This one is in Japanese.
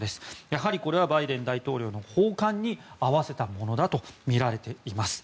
やはりこれはバイデン大統領の訪韓に合わせたものだとみられています。